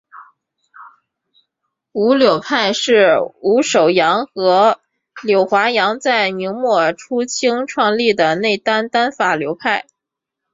伍柳派是伍守阳和柳华阳在明末清初创立的内丹丹法流派。